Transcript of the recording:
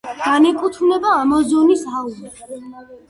განეკუთვნება ამაზონის აუზს.